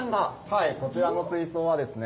はいこちらの水槽はですね